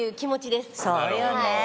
そうよね！